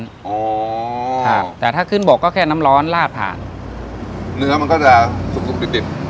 อ๋อครับแต่ถ้าขึ้นบกก็แค่น้ำร้อนลาดผ่านเนื้อมันก็จะสุกดิบดิบ